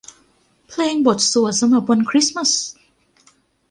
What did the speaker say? เพลงบทสวดสำหรับวันคริสต์มาส